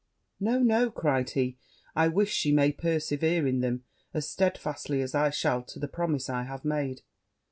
'No, no!' cried he; 'I wish she may persevere in them as steadfastly as I shall to the promise I have made.'